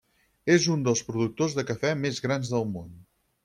És un dels productors de cafè més grans del món.